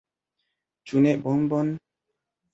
Ĉu ne bombon?